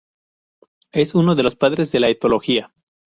Es uno de los padres de la etología.